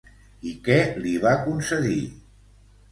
I què li va concedir?